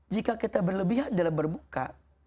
jika kita berlebihan dalam berbuka